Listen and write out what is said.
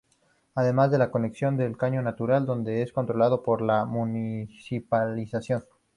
Además es la conexión del caño natural, donde es controlado por la municipalidad.